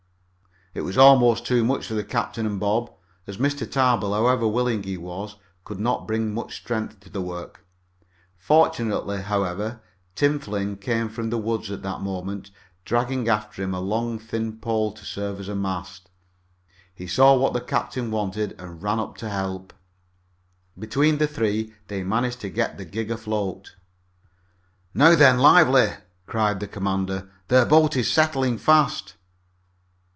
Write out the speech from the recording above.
It was almost too much for the captain and Bob, as Mr. Tarbill, however willing he was, could not bring much strength to the work. Fortunately, however, Tim Flynn came from the woods at that moment, dragging after him a long thin pole to serve as a mast. He saw what the captain wanted and ran up to help. Between the three they managed to get the gig afloat. "Now then! Lively!" cried the commander. "Their boat is settling fast!"